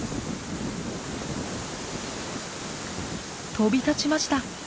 飛び立ちました！